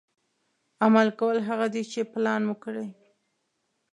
عمل کول هغه دي چې پلان مو کړي.